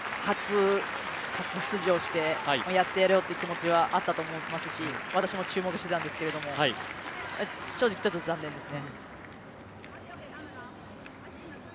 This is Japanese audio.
初出場してやってやろうという気持ちはあったと思いますし私も注目してたんですけれども正直、ちょっと残念ですね。